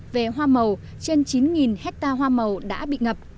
về hoa màu trên chín hectare hoa màu đã bị ngập